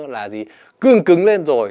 là gì cương cứng lên rồi